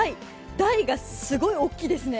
「大」がすごい大きいですね。